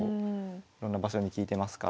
いろんな場所に利いてますから。